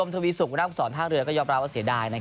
แต่ว่าผลออกมาก็ยอมรับนะครับแล้วก็แสดงความยินดี